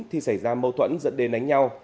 thì xảy ra mâu thuẫn dẫn đến đánh nhau